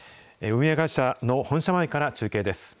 運営会社の本社前から中継です。